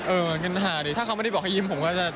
เงินหาดิถ้าเขาไม่ได้บอกให้ยิ้มผมก็จะ